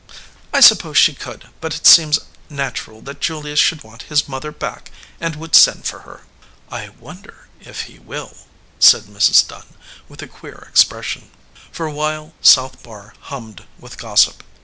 "I suppose she could, but it seems natural that Julius should want his mother back and would send for her." "I wonder if he will," said Mrs. Dunn, with a queer expression. For a while South Barr hummed with gossip.